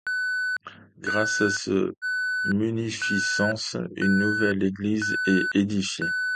Grâce à sa munificence une nouvelle église est édifiée.